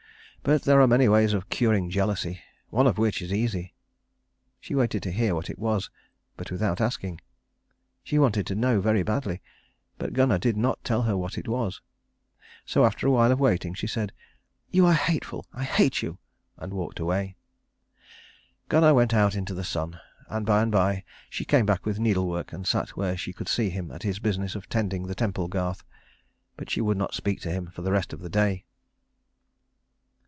But there are many ways of curing jealousy, one of which is easy." She waited to hear what it was, but without asking. She wanted to know very badly, but Gunnar did not tell her what it was. So after a while of waiting she said, "You are hateful; I hate you," and walked away. Gunnar went out into the sun; and by and by she came back with needlework and sat where she could see him at his business of tending the temple garth; but she would not speak to him for the rest of the day.